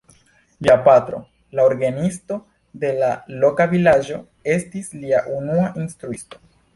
Lia patro, la orgenisto de la loka vilaĝo, estis lia unua instruisto.